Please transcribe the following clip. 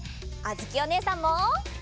あづきおねえさんも！